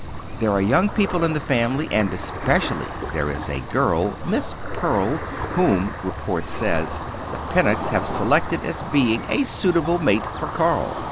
There are young people in the family, and especially there is a girl, Miss Pearl, whom, report says, the Pennocks have selected as being a suitable mate for Carl.